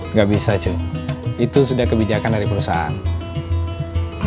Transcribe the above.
nggak bisa sih itu sudah kebijakan dari perusahaan